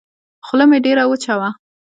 خوله مې ډېره وچه وه.